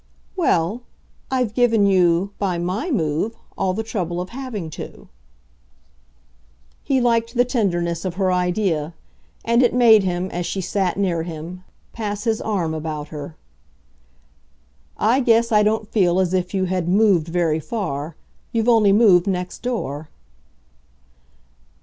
"Well, I've given you, by MY move, all the trouble of having to." He liked the tenderness of her idea, and it made him, as she sat near him, pass his arm about her. "I guess I don't feel as if you had 'moved' very far. You've only moved next door."